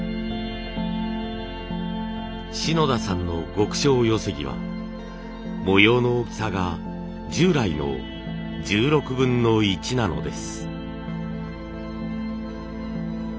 篠田さんの極小寄木は模様の大きさが従来の１６分の１なのです。